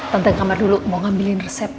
tante ke kamar dulu mau ngambilin resep